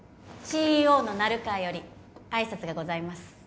ＣＥＯの成川より挨拶がございます